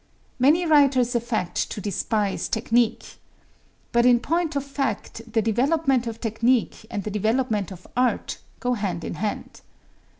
Many writers affect to despise technique. But in point of fact the development of technique and the development of art go hand in hand.